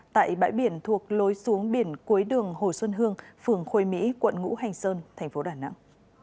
tại bãi biển thuộc lối xuống biển cuối đường hồ xuân hương phường khôi mỹ quận ngũ hành sơn thành phố đà nẵng